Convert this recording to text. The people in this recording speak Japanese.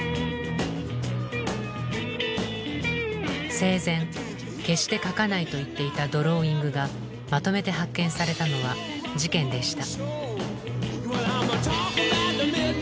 生前「決して描かない」と言っていたドローイングがまとめて発見されたのは事件でした。